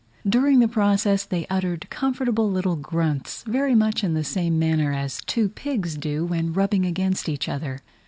During the process they uttered comfortable little grunts, very much in the same manner as two pigs do, when rubbing against each other.